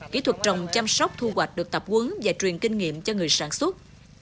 kỹ thuật trồng chăm sóc thu hoạch được tập quấn và truyền kinh nghiệm cho người sản xuất